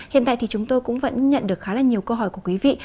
hiện tại thì chúng tôi cũng vẫn nhận được khá là nhiều câu hỏi của quý vị